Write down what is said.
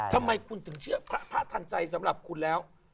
ทำไมคุณถึงเชื่อพระทันใจสำหรับคุณแล้ว